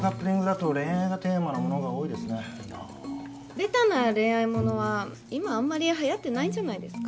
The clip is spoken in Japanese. ベタな恋愛ものは今あんまりはやってないんじゃないですか。